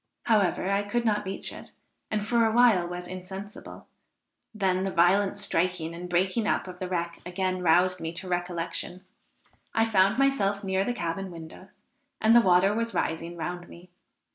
However, I could not reach it, and for a while was insensible; then the violent striking and breaking up of the wreck again roused me to recollection; I found myself near the cabin windows, and the water was rising round me.